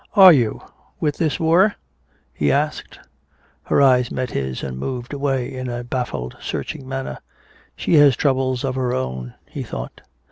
"Are you, with this war?" he asked. Her eyes met his and moved away in a baffled, searching manner. "She has troubles of her own," he thought.